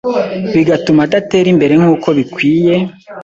bigatuma adatera imbere nkuko bikwiye